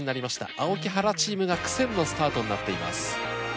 青木・原チームが苦戦のスタートになっています。